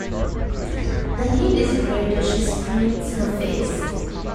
The heat is greater; she screens her face.